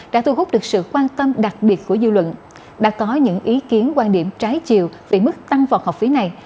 đã thu hút được sự quan tâm đặc biệt của dư luận đã có những ý kiến quan điểm trái chiều về mức tăng vọt học phí này